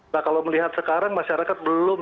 nah kalau melihat sekarang masyarakat belum